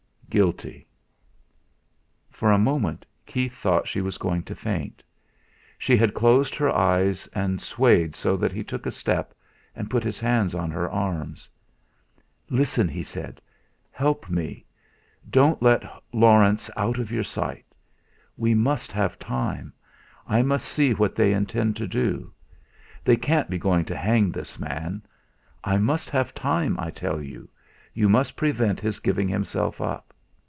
"Guilty." For a moment Keith thought she was going to faint. She had closed her eyes, and swayed so that he took a step, and put his hands on her arms. "Listen!" he said. "Help me; don't let Laurence out of your sight. We must have time. I must see what they intend to do. They can't be going to hang this man. I must have time, I tell you. You must prevent his giving himself up."